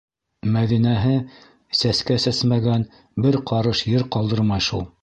Мәҙинәһе сәскә сәсмәгән бер ҡарыш ер ҡалдырмай шул.